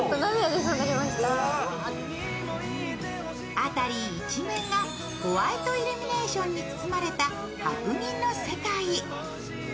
辺り一面がホワイトイルミネーションに包まれた白銀の世界。